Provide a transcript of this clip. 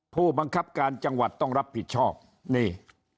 ผู้บังคับการจังหวัดต้องรับผิดชอบนี่